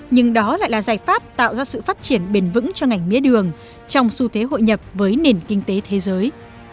nhưng đó lại là giải pháp tạo ra sự phát triển bền vững cho ngành mía đường trong xu thế hội nhập với nền kinh tế thế giới